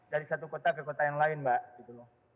dari satu kota ke kota yang lain mbak